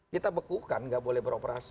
kita bekukan nggak boleh beroperasi